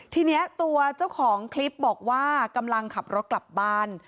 ทีนี้ตัวเจ้าของคลิปบอกว่ากำลังขับรถกลับบ้าน